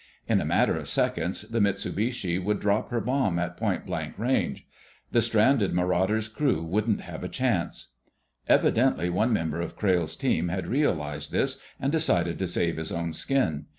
In a matter of seconds the Mitsubishi would drop her bomb at point blank range. The stranded Marauder's crew wouldn't have a chance! Evidently one member of Crayle's team had realized this and decided to save his own skin.